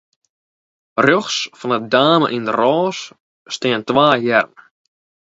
Rjochts fan 'e dame yn it rôs steane twa hearen.